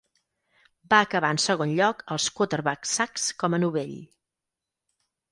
Va acabar en segon lloc als quarterback sacks com a novell.